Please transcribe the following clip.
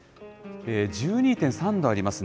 １２．３度ありますね。